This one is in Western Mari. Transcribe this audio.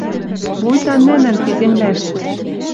Вуйта нӹнӹн ти земляштӹ